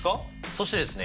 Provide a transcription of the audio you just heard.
そしてですね